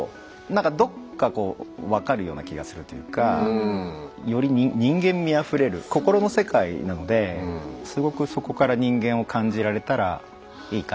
なんかどっかこう分かるような気がするというかより人間味あふれる心の世界なのですごくそこから人間を感じられたらいいかなと思って。